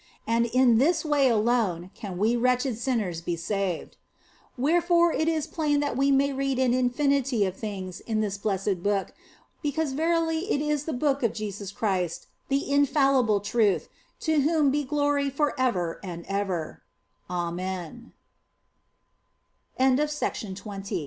And in this way alone can we wretched sinners be saved. Wherefore is it plain that we may read an infinity of things in this blessed Book, because verily it is the Book of Jesus Christ, the infallible Truth, to whom be